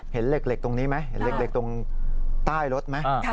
เห็นเหล็กเหล็กตรงนี้ไหมเห็นเหล็กเหล็กตรงใต้รถไหมค่ะ